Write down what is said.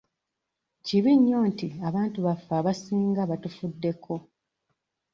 Kibi nnyo nti abantu baffe abasinga batufuddeko.